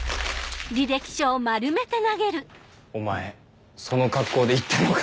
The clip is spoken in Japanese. お前その格好で行ったのか？